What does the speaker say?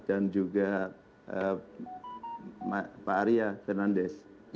dan juga pak arya fernandes